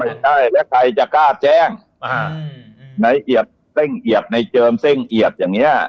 ไม่ใช่แล้วใครจะกล้าแจ้งในเจิมเส้งเอียดอย่างนี้